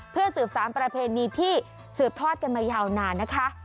เพื่อสืบสารประเพณีที่สืบทอดกันมายาวนานนะคะ